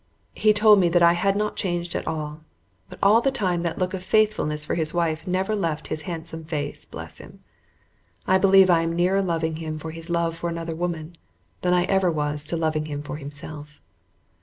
He told me that I had not changed at all, but all the time that look of faithfulness for his wife never left his handsome face, bless him! I believe I am nearer loving him for his love for another woman than I ever was to loving him for himself.